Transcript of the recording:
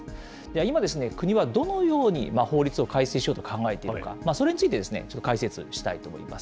今、国はどのように法律を改正しようと考えているのか、それについてちょっと解説したいと思います。